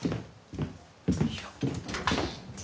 いや。